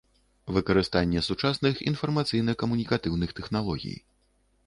Выкарыстанне сучасных iнфармацыйна-камунiкатыўных тэхналогiй.